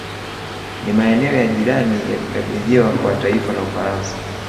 Na maeneo ya jirani yalikabidhiwa kwa taifa la Ufaransa